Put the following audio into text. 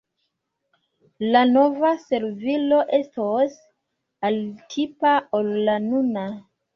La nova servilo estos alitipa ol la nuna.